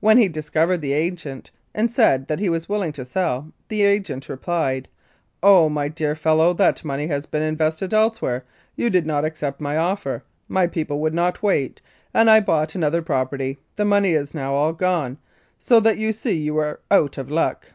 When he discovered the agent, and said that he was willing to sell, the agent replied, "Oh ! my dear fellow, that money has been invested elsewhere ; you did not accept my offer, my people would not wait, and I bought another property. The money is now all gone, so that you see you are out of luck."